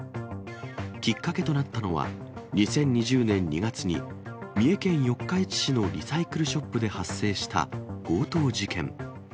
きっかけとなったのは、２０２０年２月に、三重県四日市市のリサイクルショップで発生した強盗事件。